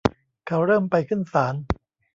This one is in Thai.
เขาเริ่มไปขึ้นศาล